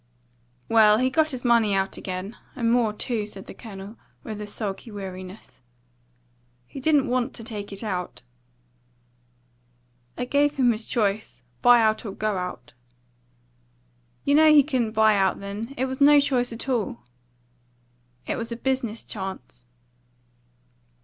"Well, he got his money out again, and more, too," said the Colonel, with a sulky weariness. "He didn't want to take it out." "I gave him his choice: buy out or go out." "You know he couldn't buy out then. It was no choice at all." "It was a business chance."